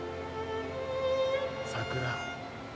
桜。